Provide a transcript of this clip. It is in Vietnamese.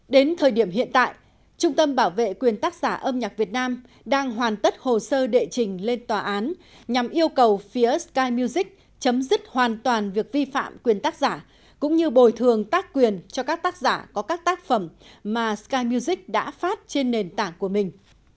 đến thời điểm hiện tại trung tâm bảo vệ quyền tác giả âm nhạc việt nam đang hoàn tất hồ sơ đệ trình lên tòa án nhằm yêu cầu phía sky music chấm dứt hoàn toàn việc vi phạm quyền tác giả cũng như bồi thường tác quyền cho các tác giả có các tác phẩm mà sky music đã phát trên nền tảng của mình